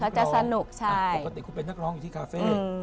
ปกติเขาเป็นนักร้องอยู่ที่คาเฟ่